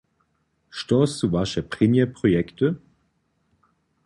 Što su Waše prěnje projekty?